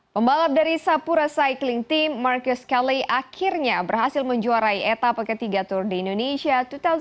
pembalap dari sapura cycling team marcus kelly akhirnya berhasil menjuarai etapa ketiga tour de indonesia dua ribu sembilan belas